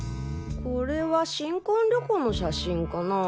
これは新婚旅行の写真かな？